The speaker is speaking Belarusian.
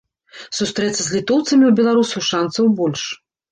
Сустрэцца з літоўцамі ў беларусаў шанцаў больш.